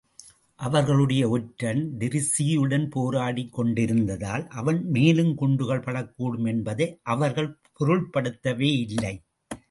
அவர்களுடைய ஒற்றன் டிரீஸியுடன் போராடிக் கொண்டிருந்ததால் அவன் மேலும் குண்டுகள் படக்கூடும் என்பதை அவர்கள் பொருட்படுத்தவேயில்லை.